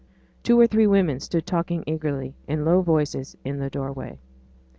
Two or three women stood talking eagerly, in low voices, in the doorway.